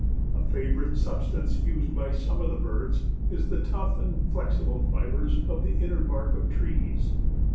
A favorite substance used by some of the birds is the tough and flexible fibers of the inner bark of trees.